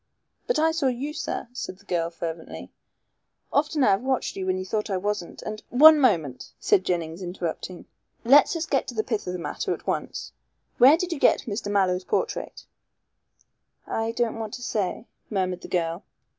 "But I saw you, sir," said the girl fervently. "Often I have watched you when you thought I wasn't, and " "One moment," said Jennings, interrupting. "Let's us get to the pith of the matter at once. Where did you get Mr. Mallow's portrait?" "I don't want to say," murmured the girl.